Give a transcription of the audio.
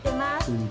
うん。